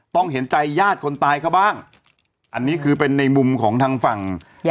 เห็นใจญาติคนตายเขาบ้างอันนี้คือเป็นในมุมของทางฝั่ง